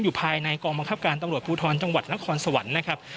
อยู่ภายในกองบังคับการตำรวจภูทรจังหวัดนครสวรรค์นะครับ